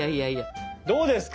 どうですか？